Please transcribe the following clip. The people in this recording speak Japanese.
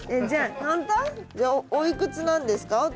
じゃあおいくつなんですか？